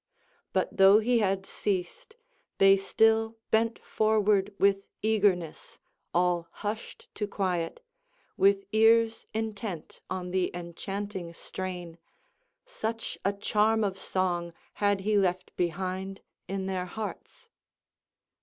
But though he had ceased they still bent forward with eagerness all hushed to quiet, with ears intent on the enchanting strain; such a charm of song had he left behind in their hearts.